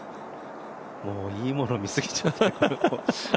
もう、いいものを見すぎちゃって。